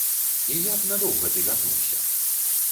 І як надоўга ты вярнуўся?